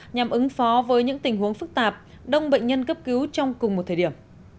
nhằm ứng phó với những tình huống phức tạp đông bệnh nhân cấp cứu trong cùng một thời điểm